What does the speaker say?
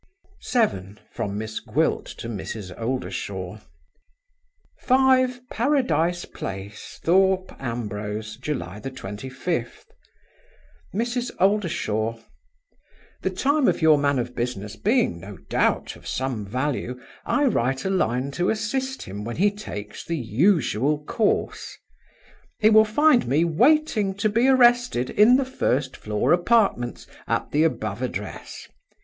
7. From Miss Gwilt to Mrs. Oldershaw. "5 Paradise Place, Thorpe Ambrose, July 25th. "MRS. OLDERSHAW The time of your man of business being, no doubt, of some value, I write a line to assist him when he takes the usual course. He will find me waiting to be arrested in the first floor apartments, at the above address.